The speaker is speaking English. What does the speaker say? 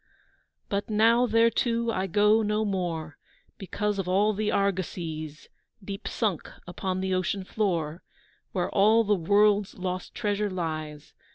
But now thereto I go no more, Because of all the argosies, Deep sunk upon the ocean floor, Where all the world's lost treasure lies.